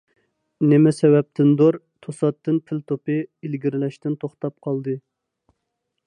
نېمە سەۋەبتىندۇر، توساتتىن پىل توپى ئىلگىرىلەشتىن توختاپ قالدى.